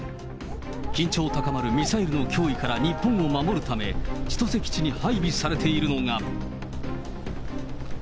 緊張高まるミサイルの脅威から日本を守るため、千歳基地に配備されているのが。